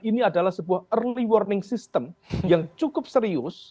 ini adalah sebuah early warning system yang cukup serius